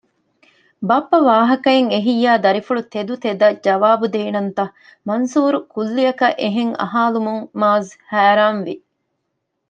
ބައްޕަ ވާހަކައެއް އެހިއްޔާ ދަރިފުޅު ތެދުތެދަށް ޖަވާބު ދޭނަންތަ؟ މަންސޫރު ކުއްލިއަކަށް އެހެން އަހާލުމުން މާޒް ހައިރާންވި